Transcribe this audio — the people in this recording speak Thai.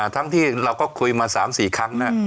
ทั้งที่เราก็คุยมา๓๔ครั้ง